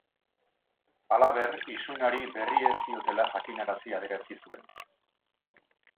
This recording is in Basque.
Halaber, isunari berri ez ziotela jakinarazi adierazi zuen.